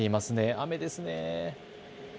雨ですね。